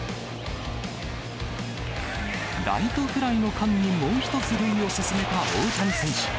ライトフライの間にもう１つ塁を進めた大谷選手。